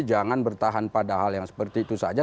jangan bertahan padahal yang seperti itu saja